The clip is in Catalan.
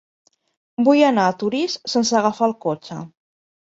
Vull anar a Torís sense agafar el cotxe.